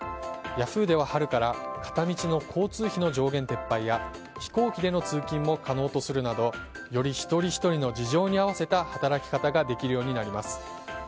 ヤフーでは春から片道の交通費の上限撤廃や飛行機での通勤も可能とするなどより一人ひとりの事情に合わせた働き方ができるようになります。